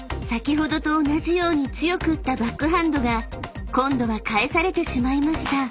［先ほどと同じように強く打ったバックハンドが今度は返されてしまいました］